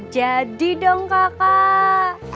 jadi dong kakak